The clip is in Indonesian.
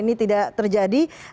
ini tidak terjadi